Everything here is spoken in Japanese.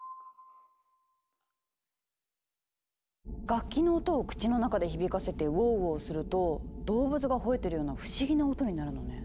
楽器の音を口の中で響かせて「ウォウウォウ」すると動物がほえてるような不思議な音になるのね。